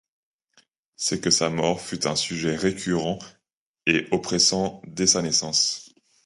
C'est que sa mort fut un sujet récurrent et oppressant dès sa naissance.